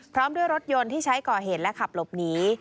พร้อมด้วยรถยนต์ที่ใช้ก่อเหตุและขับหลบหนี